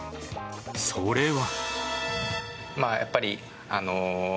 それは。